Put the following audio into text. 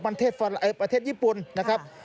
ประเทศญี่ปุ่นนะครับ